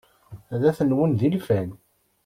Ad ten-nwun d ilfan.